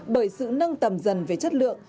bởi sự nâng tầm dần về chất lượng